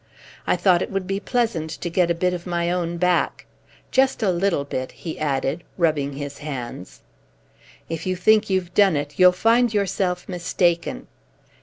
I thought it would be pleasant to get a bit of my own back. Just a little bit," he added, rubbing his hands. "If you think you've done it, you'll find yourself mistaken."